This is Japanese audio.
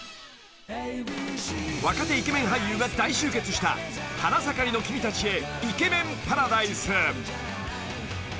［若手イケメン俳優が大集結した『花ざかりの君たちへイケメン♂パラダイス』］